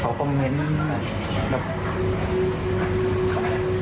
เขาคอมเม้นต์แบบ